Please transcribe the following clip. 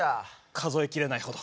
数え切れないほど。